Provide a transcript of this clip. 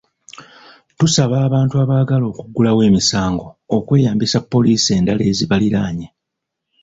Tusaba abantu abaagala okuggulawo emisango okweyambisa poliisi endala ezibaliraanye.